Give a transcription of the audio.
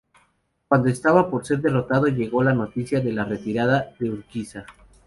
Cuando estaba por ser derrotado llegó la noticia de la retirada de Urquiza.